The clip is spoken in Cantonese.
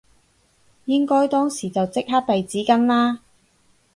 應該當時就即刻遞紙巾啦